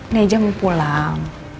neja mau pulang